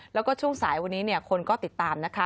แล้วก็ช่วงสายวันนี้คนก็ติดตามนะคะ